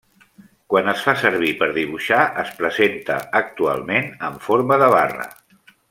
Quan es fa servir per dibuixar es presenta, actualment, en forma de barra.